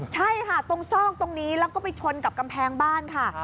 ใช่ค่ะตรงซอกตรงนี้แล้วก็ไปชนกับกำแพงบ้านค่ะ